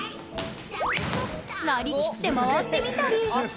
なりきって回ってみたり。